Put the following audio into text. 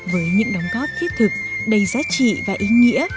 với những đóng góp thiết thực đầy giá trị và ý nghĩa